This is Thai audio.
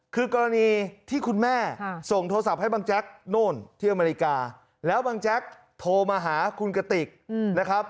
คือกรณีที่คุณแม่ส่งโทรศัพท์ให้บังแจ๊กโน่นที่อเมริกาแล้วบังแจ๊กโทรมาหาคุณกติกนะครับ